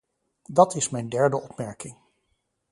Dat is mijn derde opmerking.